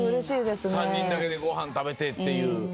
３人だけでご飯食べてっていう。